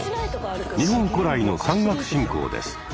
日本古来の山岳信仰です。